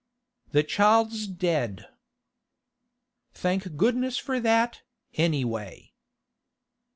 'The child's dead.' 'Thank goodness for that, any way!